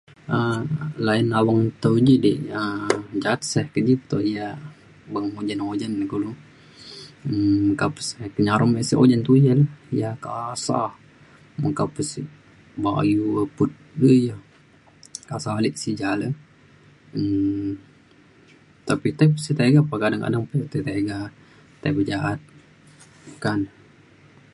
um layan awang tau ji di um ja’at sek ke ji toh ja beng ujan ujan ni kulu. um Meka pe sek nyarung ne sek ujan tujen ja kasa meka pe sek bayu leput [unintelligible] kasa ale si ja le um tapek [unintelligible] tiga pa kadang kadang te tiga tai ke ja’at meka na.